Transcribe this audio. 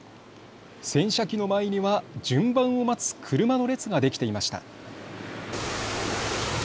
洗車機の前には順番を待つ車の列ができていました。